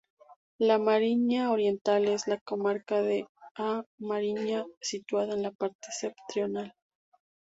La Mariña Oriental es la comarca de A Mariña situada en la parte septentrional.